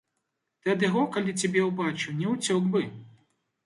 Ты ад яго, калі цябе ўбачыў, не ўцёк бы.